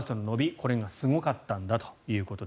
これがすごかったんだと。